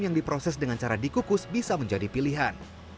yang diproses dengan cara dikukus bisa menjadi pilihan